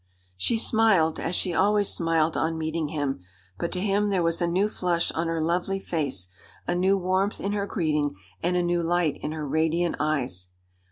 She smiled, as she always smiled on meeting him; but to him there was a new flush on her lovely face; a new warmth in her greeting, and a new light in her radiant eyes.